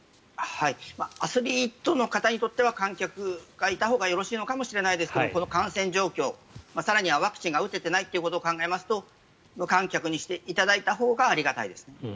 アスリートの方にとっては観客がいたほうがよろしいのかもしれませんがこの感染状況ワクチンが打ててないことを考えると無観客にしていただいたほうがありがたいですね。